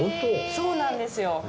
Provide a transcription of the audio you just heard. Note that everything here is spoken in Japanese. そうなんです。